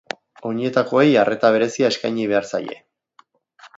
Oinetakoei arreta berezia eskaini behar zaie.